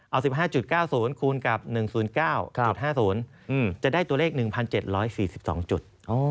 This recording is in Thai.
เอา๑๕๙๐คูณกับ๑๐๙๕๐จะได้ตัวเลข๑๗๔๒จุด